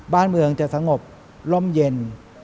บ้านเมืองจะสงบร่มเย็น